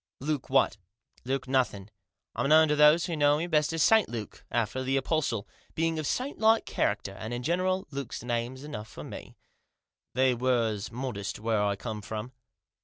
" Luke what?" " Luke nothing. I'm known to those who knew me best as St Luke, after the apostle, being of saintlike character, but in general Luke's name enough for me. They was modest where I come from."